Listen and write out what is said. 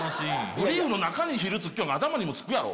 ブリーフの中にヒルつくように頭にもつくやろ。